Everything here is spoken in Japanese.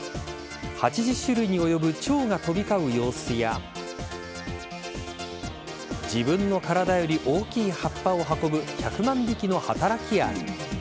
８０種類におよぶチョウが飛び交う様子や自分の体より大きい葉っぱを運ぶ１００万匹の働きアリ。